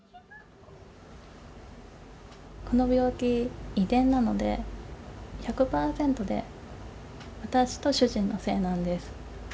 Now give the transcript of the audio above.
この病気、遺伝なので、１００％で私と主人のせいなんです。